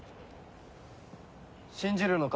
信じるのか？